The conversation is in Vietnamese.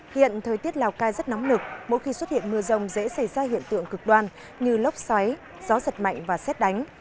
hiện thời tiết lào cai rất nóng lực mỗi khi xuất hiện mưa rông dễ xảy ra hiện tượng cực đoan như lốc xoáy gió giật mạnh và xét đánh